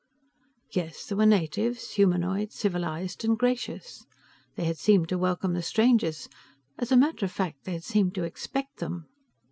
Yes, there were natives, humanoid, civilized and gracious. They had seemed to welcome the strangers, as a matter of fact they had seemed to expect them.